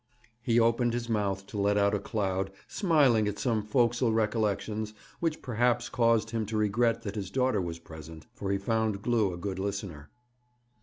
He opened his mouth to let out a cloud, smiling at some forecastle recollections, which perhaps caused him to regret that his daughter was present, for he found Glew a good listener.